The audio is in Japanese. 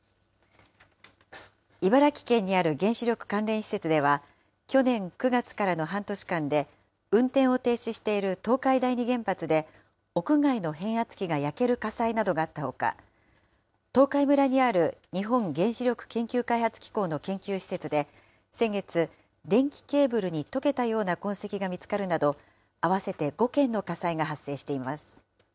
茨城県にある原子力関連施設では、去年９月からの半年間で、運転を停止している東海第二原発で、屋外の変圧器が焼ける火災などがあったほか、東海村にある日本原子力研究開発機構の研究施設で、先月、電気ケーブルに溶けたような痕跡が見つかるなど、合わせて５件の火災が発生しています。